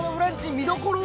見どころは？